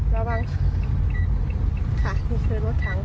ระวังค่ะนี่คือรถถัง